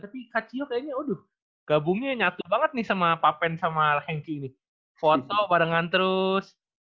tapi kak cio kayaknya aduh gabungnya nyatu banget nih sama papen sama henki ini foto barengan terus